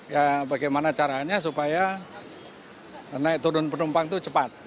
ya bagaimana caranya supaya naik turun penumpang itu cepat